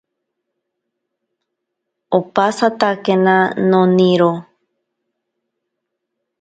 Opasatakena noniro.